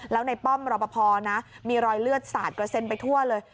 แล้วในป้อมรอปภนะมีรอยเลือดสาดกระเซ็นไปทั่วเลย